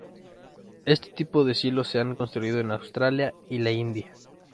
Este tipo de silos se han construido en Australia y la India.